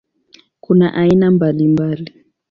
Kuna aina mbalimbali.